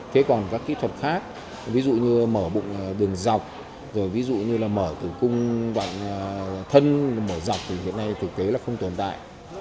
thế còn các kỹ thuật khác ví dụ như mở bụng đường dọc rồi ví dụ như là mở tử cung đoạn thân mở dọc thì hiện nay thực tế là không tồn tại